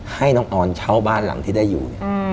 ให้น้องออนเช่าบ้านหลังที่ได้อยู่